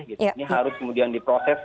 ini harus kemudian diproses